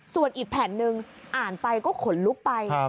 ส่วนอีกแผ่นหนึ่งอ่านไปก็ขนลุกไป